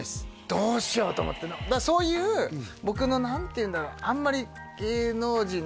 どうしようと思ってそういう僕の何ていうんだろう